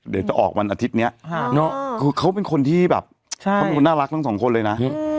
เดี๋ยวจะออกวันอาทิตย์นี้เขาเป็นคนที่แบบน่ารักทั้งสองคนเลยนะ